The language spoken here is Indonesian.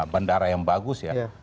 bandara yang bagus ya